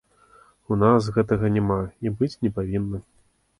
У нас гэтага няма і быць не павінна.